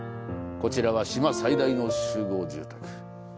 こちらは、島最大の集合住宅。